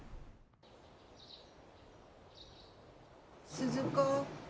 ・鈴子。